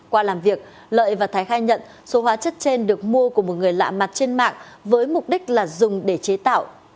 qua làm việc lợi và thái khai nhận số hóa chất trên được mua của một người lạ mặt trên mạng với mục đích là dùng để chế tạo